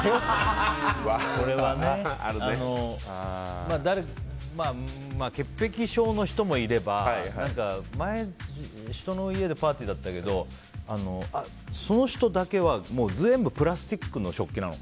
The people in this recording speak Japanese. まあ、潔癖症の人もいれば人の家でのパーティーでその人だけは全部プラスチックの食器だったの。